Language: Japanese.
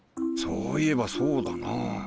そういえばそうだな。